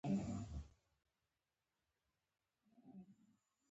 ده له هر چا سره چې ولیدل، يو څه به يې زده کول.